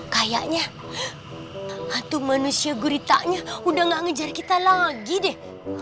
kayaknya aduh manusia guritanya udah gak ngejar kita lagi deh